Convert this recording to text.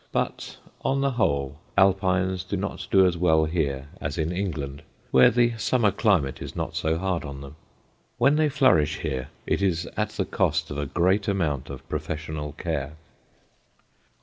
But, on the whole, alpines do not do as well here as in England, where the summer climate is not so hard on them. When they flourish here, it is at the cost of a great amount of professional care.